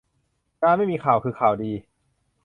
การไม่มีข่าวคือข่าวดี